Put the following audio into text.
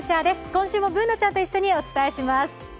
今週もＢｏｏｎａちゃんと一緒にお伝えします。